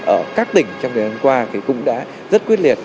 ở các tỉnh trong thời gian qua thì cũng đã rất quyết liệt